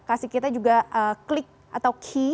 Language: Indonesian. kasih kita juga klik atau key